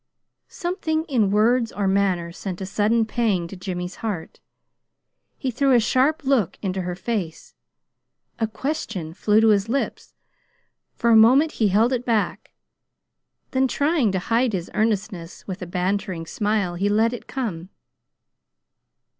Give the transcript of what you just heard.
Something in words or manner sent a sudden pang to Jimmy's heart. He threw a sharp look into her face. A question flew to his lips. For a moment he held it back; then, trying to hide his earnestness with a bantering smile, he let it come.